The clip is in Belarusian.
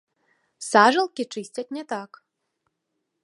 Сажалкі чысцяць не так.